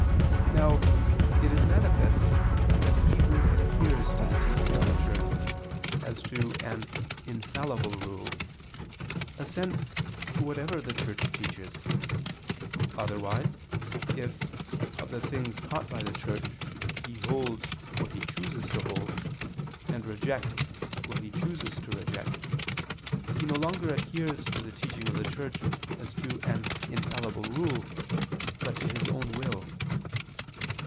Now it is manifest that he who adheres to the teaching of the Church, as to an infallible rule, assents to whatever the Church teaches; otherwise, if, of the things taught by the Church, he holds what he chooses to hold, and rejects what he chooses to reject, he no longer adheres to the teaching of the Church as to an infallible rule, but to his own will.